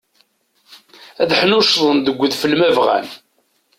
Ad ḥnuccḍen deg udfel ma bɣan.